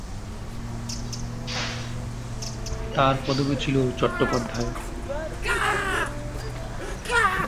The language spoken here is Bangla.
তার পদবি ছিল চট্টোপাধ্যায়।